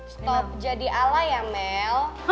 stop jadi ala ya mel